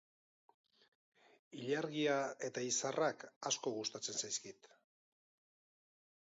Ilargia eta izarrak asko gustatzen zaizkit.